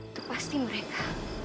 itu pasti mereka